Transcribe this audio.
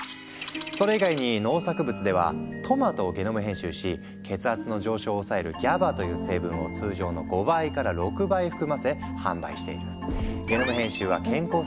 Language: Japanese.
それ以外に農作物ではトマトをゲノム編集し血圧の上昇を抑えるＧＡＢＡという成分を通常の５倍から６倍含ませ販売している。